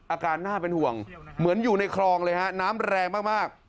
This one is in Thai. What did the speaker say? อาการน่าเป็นห่วงเหมือนอยู่ในคลองเลยฮะน้ำแรงมาก